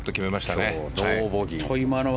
今日、ノーボギー。